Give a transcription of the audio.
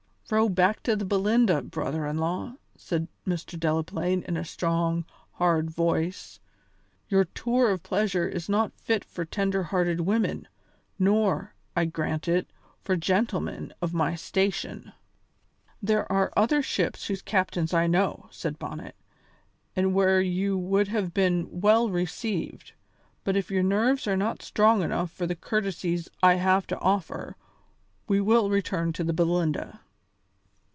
"Row back to the Belinda, brother in law," said Mr. Delaplaine in a strong, hard voice; "your tour of pleasure is not fit for tender hearted women, nor, I grant it, for gentlemen of my station." "There are other ships whose captains I know," said Bonnet, "and where you would have been well received; but if your nerves are not strong enough for the courtesies I have to offer, we will return to the Belinda."